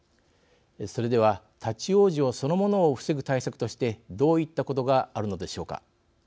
それでは、立往生そのものを防ぐ対策としてどういったことがあるのでしょうか。